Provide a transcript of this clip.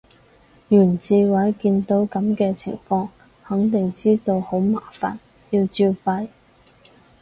袁志偉見到噉嘅情況肯定知道好麻煩，要照肺